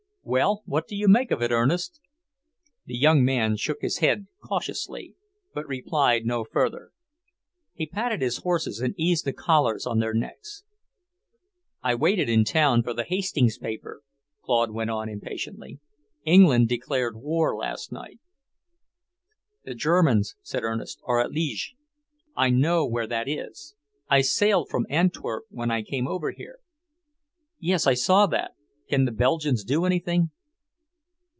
"Well, what do you make of it, Ernest?" The young man shook his head cautiously, but replied no further. He patted his horses and eased the collars on their necks. "I waited in town for the Hastings paper," Claude went on impatiently. "England declared war last night." "The Germans," said Ernest, "are at Liege. I know where that is. I sailed from Antwerp when I came over here." "Yes, I saw that. Can the Belgians do anything?"